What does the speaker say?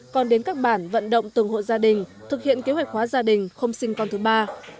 còn đến các bản vận động từng hộ gia đình thực hiện kế hoạch hóa gia đình không sinh con thứ ba